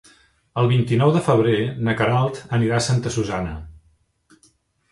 El vint-i-nou de febrer na Queralt anirà a Santa Susanna.